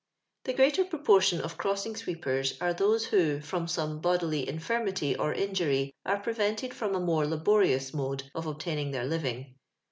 The greater proportion of crossing sweepers are those who, I'rom some bodily in finnity or injury, are prevented from a more laborious mode of obtaining their living.